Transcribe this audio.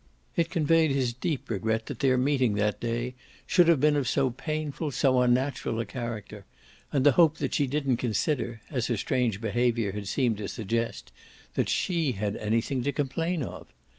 It conveyed his deep regret that their meeting that day should have been of so painful, so unnatural a character, and the hope that she didn't consider, as her strange behaviour had seemed to suggest, that SHE had anything to complain of.